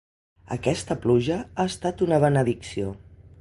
Aquesta pluja ha estat una benedicció.